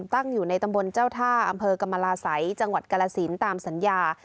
ตั้งอยู่ในตำบลเจ้าท่าอำเภอกรรมราศัยจังหวัดกรสินตามสัญญา